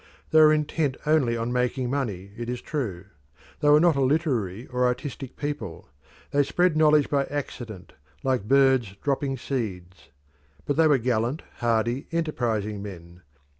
They were intent only on making money, it is true; they were not a literary or artistic people; they spread knowledge by accident like birds dropping seeds. But they were gallant, hardy, enterprising men.